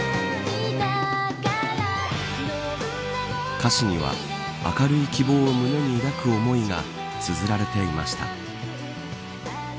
歌詞には明るい希望を胸に抱く思いがつづられていました。